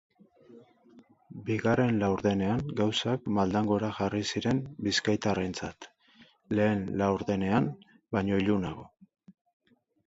Bigarren laurdenean gauzak maldan gora jarri ziren bizkaitarrentzat, lehen laurdenean baino ilunago.